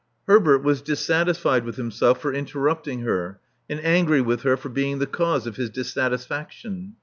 Herbert was dissatisfied with himself for interrupt ing her, and angry with her for being the cause of his dissatisfaction.